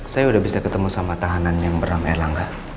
saya sudah bisa ketemu sama tahanan yang beram erlangga